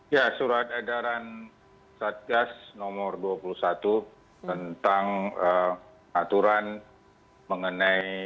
ya surat edaran satgas nomor dua puluh satu tentang aturan mengenai